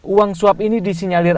uang suap ini disinyalir